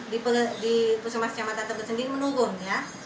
di puskesmas kecamatan teben sendiri menurun